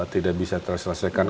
tidak bisa terselesaikan